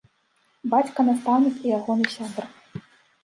Бацька, настаўнік, і ягоны сябар.